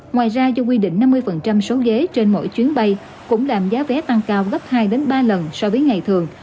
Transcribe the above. ngoài ra dù quy định năm mươi số ghế trên mỗi chuyến bay cũng làm giá vé tăng cao gấp hai ba lần so với ngày thường